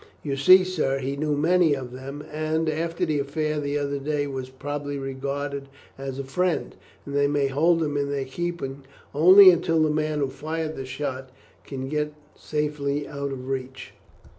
You see, sir, he knew many of them, and, after the affair the other day, was probably regarded as a friend, and they may hold him in their keeping only until the man who fired the shot can get safely out of reach."